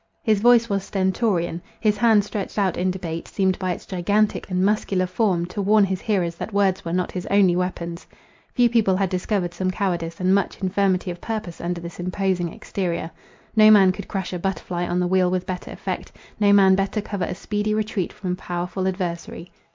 His voice was stentorian: his hand stretched out in debate, seemed by its gigantic and muscular form, to warn his hearers that words were not his only weapons. Few people had discovered some cowardice and much infirmity of purpose under this imposing exterior. No man could crush a "butterfly on the wheel" with better effect; no man better cover a speedy retreat from a powerful adversary.